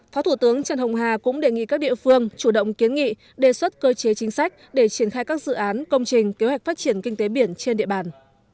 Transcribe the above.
phó thủ tướng trần hồng hà cũng đề nghị các địa phương chủ động kiến nghị đề xuất cơ chế chính sách để triển khai các dự án công trình kế hoạch phát triển kinh tế biển trên địa bàn